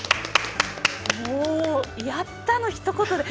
もう、やった！のひと言で。